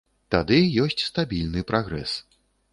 Тады ёсць стабільны прагрэс.